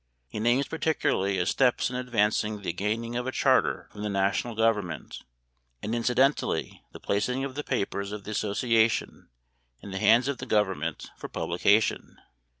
He names particularly as steps in advance the gaining of a charter from the national government, and incidentally the placing of the papers of the association in the hands of the government for publication.